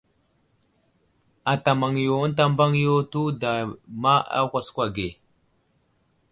Ata maŋ yo ənta mbaŋ yo tewuda ma á kwaskwa ge.